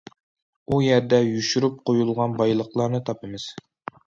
ئۇ يەردە يوشۇرۇپ قويۇلغان بايلىقلارنى تاپىمىز.